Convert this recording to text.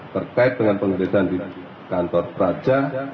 terkait dengan penggeledahan di kantor praja